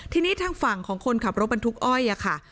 ทีนี้ทางฝั่งของคนขับรถบรรทุกอ้อยค่ะ